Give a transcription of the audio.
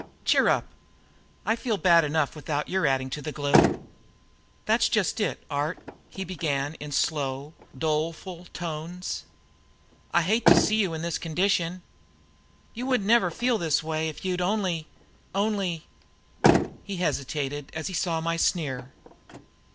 Cheer up! I feel bad enough without your adding to the gloom." "That's just it, Art," he began in slow, doleful tones. "I hate to see you in this condition. You wouldn't ever feel this way if you'd only only " he hesitated as he saw my sneer.